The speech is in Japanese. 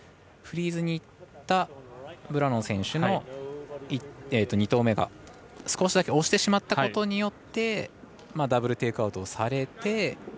フリーズにいったブラノー選手の２投目が少しだけ押してしまったことによってダブル・テイクアウトされて。